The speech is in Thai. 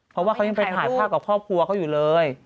เพราะว่าเขายังไปถ่ายภาพกับครอบครัวเขาอยู่เลย